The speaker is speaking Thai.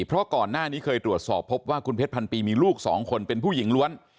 เพราะก่อนหน้านี้เคยตรวจสอบพบว่าคุณเพชรพันปีมีลูกสองคนเป็นผู้หญิงล้วน